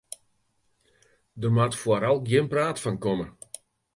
Der moat foaral gjin praat fan komme.